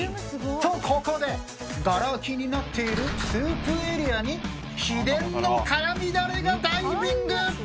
とここでがら空きになっているスープエリアに秘伝の辛みダレがダイビング！